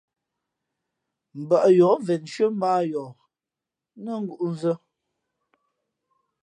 Mbᾱʼ yǒh ven nshʉ́ά mά ā yǒh nά ngǔʼnzᾱ.